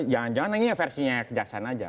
jangan jangan nantinya versinya kejaksaan aja